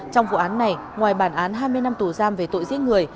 trong vụ án này ngoài bản án hai mươi năm tù giam về tội giết người